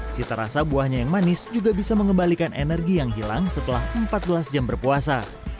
cita rasa buahnya yang manis juga bisa mengembalikan energi yang hilang setelah empat belas jam berpuasa